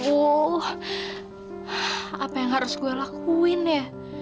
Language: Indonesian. uh apa yang harus gue lakuin ya